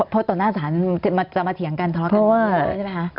เพราะต่อหน้าศาลจะมาเถียงกันทะเลาะกันใช่ไหมคะ